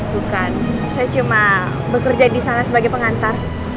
bukan saya cuma bekerja di sana sebagai pengantar